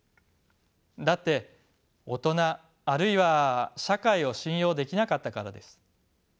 だって大人あるいは社会を信用できなかったからです。